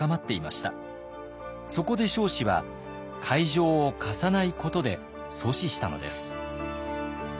そこで彰子は会場を貸さないことで阻止したのです。